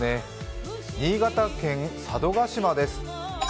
新潟県・佐渡島です。